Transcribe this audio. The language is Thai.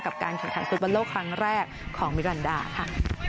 การแข่งขันฟุตบอลโลกครั้งแรกของมิรันดาค่ะ